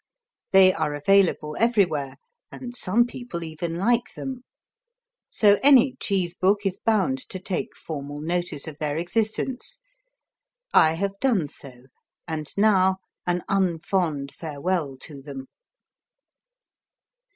They are available everywhere and some people even like them. So any cheese book is bound to take formal notice of their existence. I have done so and now, an unfond farewell to them.